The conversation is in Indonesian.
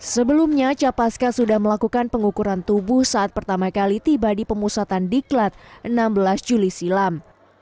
sebelumnya capaska sudah melakukan pengukuran tubuh saat pertama kali tiba di pemusatan diklat enam belas juli silam